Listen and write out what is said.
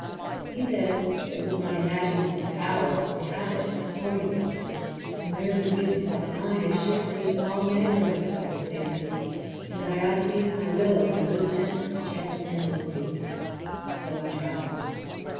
He says that with my imaginative power and habit of story making a nervous weakness like mine is sure to lead to all manner of excited fancies, and that I ought to use my will and good sense to check the tendency. So I try.